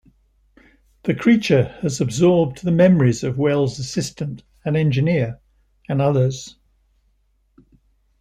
The creature has absorbed the memories of Wells' assistant, an engineer, and others.